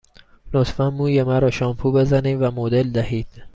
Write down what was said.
لطفاً موی مرا شامپو بزنید و مدل دهید.